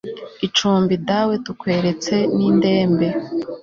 icumbi, dawe tukweretse n'indembe